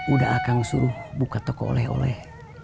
udah akan suruh buka toko oleh oleh